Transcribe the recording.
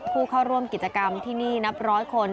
ผู้เข้าร่วมกิจกรรมที่นี่นับร้อยคน